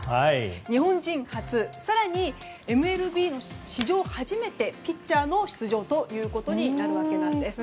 日本人初、更にＭＬＢの史上初ピッチャーの出場となるわけなんです。